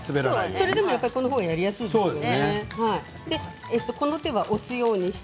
それでも押さえた方がやりやすいですよね。